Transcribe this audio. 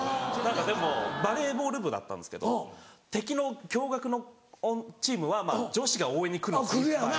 でもバレーボール部だったんですけど敵の共学のチームは女子が応援に来るんですよいっぱい。